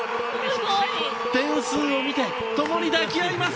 点数を見て共に抱き合います！